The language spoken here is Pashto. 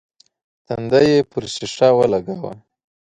تندی يې پر ښيښه ولګاوه.